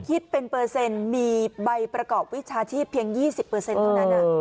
คิดเป็นเปอร์เซ็นต์มีใบประกอบวิชาชีพเพียง๒๐เท่านั้น